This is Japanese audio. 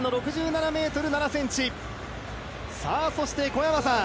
そして小山さん